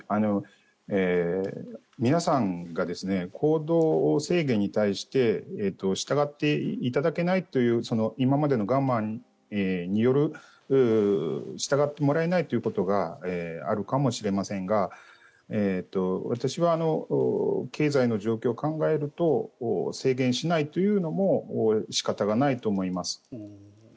皆さんが行動制限に対して従っていただけないという今までの我慢による従ってもらえないということがあるかもしれませんが私は経済の状況を考えると制限しないというのも仕方がないと思います。